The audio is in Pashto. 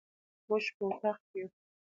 موږ په اطاق کي يو